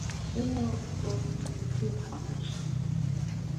I na ntuo i pi kwet njap.